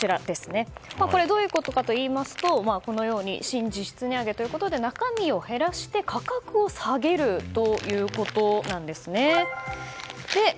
どういうことかといいますと新実質値上げということで中身を減らして価格を下げるということですね。